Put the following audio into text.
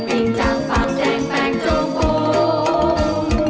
อ่ะจิงปิงจังฟังแจงแปลงจงโปร่ง